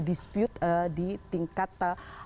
dispute di tingkat